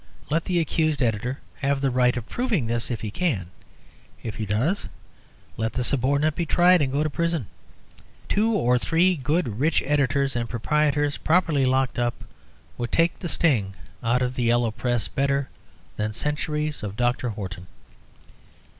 Let the accused editor have the right of proving this if he can; if he does, let the subordinate be tried and go to prison. Two or three good rich editors and proprietors properly locked up would take the sting out of the Yellow Press better than centuries of Dr. Horton.